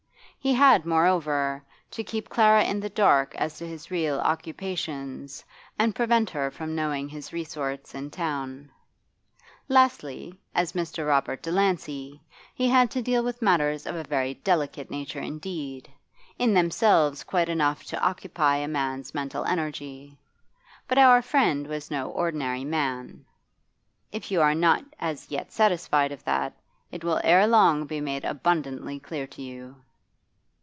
He had, moreover, to keep Clara in the dark as to his real occupations and prevent her from knowing his resorts in town. Lastly, as Mr. Robert Delancey he had to deal with matters of a very delicate nature indeed, in themselves quite enough to occupy a man's mental energy. But our friend was no ordinary man. If you are not as yet satisfied of that, it will ere long be made abundantly clear to you.